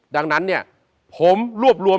ดังนั้นเนี่ยผมรวบรวม